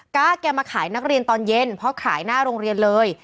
แกมาขายนักเรียนตอนเย็นเพราะขายหน้าโรงเรียนเลย